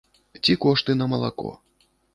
Ці кошты на малако.